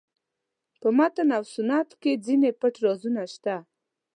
په متن او سنت کې ځینې پټ رازونه شته.